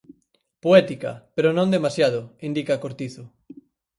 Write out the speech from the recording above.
Poética, pero non demasiado, indica Cortizo.